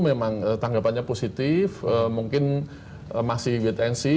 memang tanggapannya positif mungkin masih wait and see